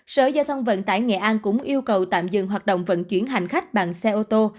sở giao thông vận tải nghệ an cũng yêu cầu tạm dừng hoạt động vận chuyển hành khách bằng xe ô tô